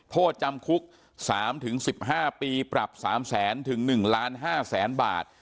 โทษจำคุก๓๑๕ปีปรับ๓๐๐๐๐๐๑๕๐๐๐๐๐บาท